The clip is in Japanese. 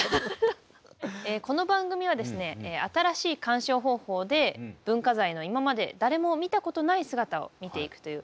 ええこの番組はですね新しい鑑賞方法で文化財の今まで誰も見たことない姿を見ていくという。